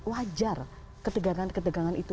wajar ketegangan ketegangan itu